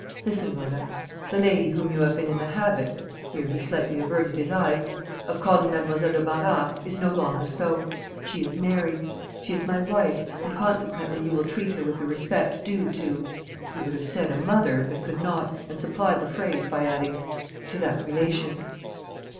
Listen, Rhoda; the lady whom you have been in the habit (here he slightly averted his eyes) of calling Mademoiselle de Barras, is no longer so; she is married; she is my wife, and consequently you will treat her with the respect due to" he would have said "a mother," but could not, and supplied the phrase by adding, "to that relation."